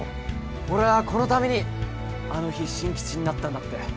俺ぁこのためにあの日進吉になったんだって。